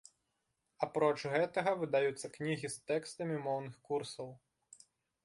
Апроч гэтага, выдаюцца кнігі з тэкстамі моўных курсаў.